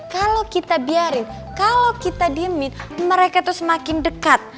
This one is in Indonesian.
kalau kita biarin kalau kita diemin mereka tuh semakin dekat